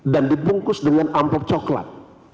dan dibungkus dengan ampuk coklat